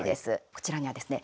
こちらにはですね